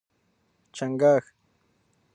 🦀 چنګاښ